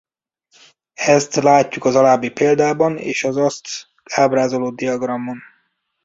Ezt látjuk az alábbi példában és az azt ábrázoló diagramon.